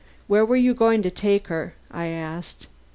'Where were you going to take her?' I asked.